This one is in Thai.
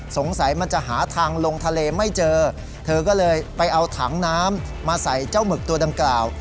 สงสัยมันจะหาทางลงทะเลไม่เจอเธอก็เลยไปเอาถังน้ำมาใส่เจ้าหมึกตัวดังกล่าว